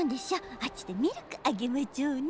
あっちでミルクあげまちょうね。